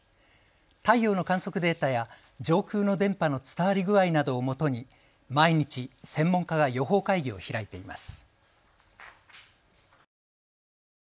太陽の観測データや上空の電波の伝わり具合などをもとに毎日、専門家が予報会議を開いています。